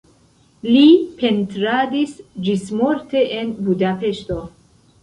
Li pentradis ĝismorte en Budapeŝto.